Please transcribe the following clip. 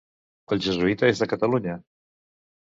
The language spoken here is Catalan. El jesuïta és de Catalunya?